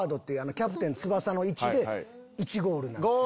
キャプテン翼の位置で１ゴールなんですよ。